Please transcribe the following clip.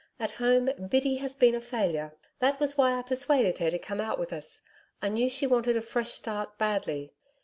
'At home, Biddy has been a failure. That was why I persuaded her to come out with us. I knew she wanted a fresh start badly.'